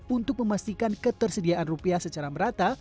untuk memastikan ketersediaan rupiah secara merata